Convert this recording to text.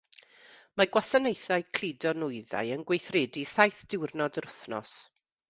Mae gwasanaethau cludo nwyddau yn gweithredu saith diwrnod yr wythnos.